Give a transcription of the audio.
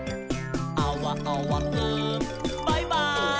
「アワアワくんバイバイ」